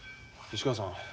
西川さん